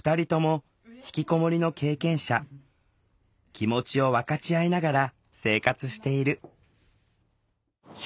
気持ちを分かち合いながら生活している。